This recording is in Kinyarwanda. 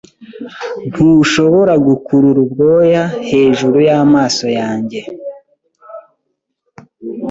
Ntushobora gukurura ubwoya hejuru y'amaso yanjye.